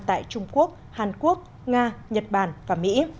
tại trung quốc hàn quốc nga nhật bản và mỹ